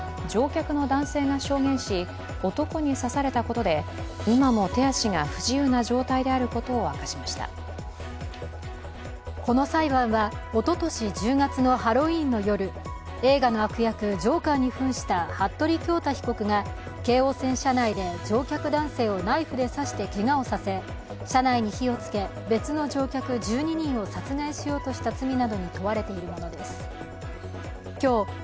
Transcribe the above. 乗客の男性が証言し、男に刺されたことで今も手足が不自由な状態であることをこの裁判はおととし１０月のハロウィーンの夜、映画の悪役ジョーカーに扮した服部恭太被告が乗客男性をナイフで刺してけがをさせ、車内に火をつけ刺された別の乗客１２人を殺害しようとした罪に問われているものです。